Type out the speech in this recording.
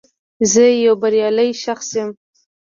زه یو بریالی شخص یم